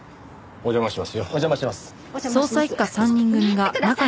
お邪魔します。